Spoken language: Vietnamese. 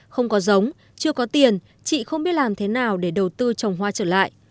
không có giống chưa có tiền chị không biết làm thế nào để đầu tư trồng hoa trở lại